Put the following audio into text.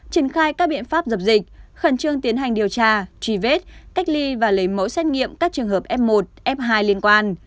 triển khai các biện pháp dập dịch khẩn trương tiến hành điều tra truy vết cách ly và lấy mẫu xét nghiệm các trường hợp f một f hai liên quan